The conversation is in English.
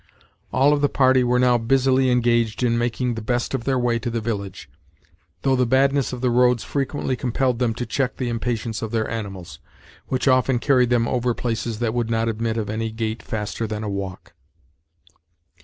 All of the party were now busily engaged in making the best of their way to the village, though the badness of the roads frequently compelled them to check the impatience of their animals, which often carried them over places that would not admit of any gait faster than a walk.